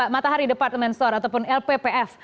matahari departemen store ataupun lppf